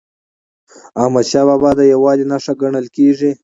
احمدشاه بابا د یووالي نښه ګڼل کېږي.